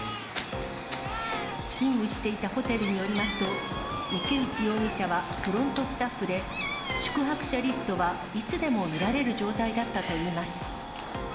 勤務していたホテルによりますと、池内容疑者はフロントスタッフで、宿泊者リストはいつでも見られる状態だったといいます。